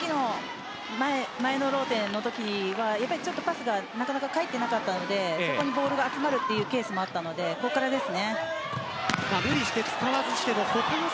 前のローテーションのときはパスがなかなか返っていなかったのでそこにボールが集まるケースがあったので、ここからです。